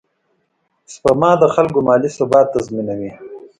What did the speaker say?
سپما د خلکو مالي ثبات تضمینوي.